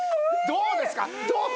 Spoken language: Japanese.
どうです？